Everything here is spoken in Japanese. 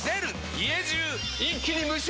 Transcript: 家中一気に無臭化！